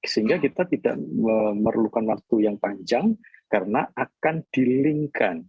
sehingga kita tidak memerlukan waktu yang panjang karena akan dilingkan